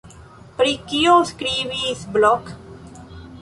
Pri kio skribis Blok?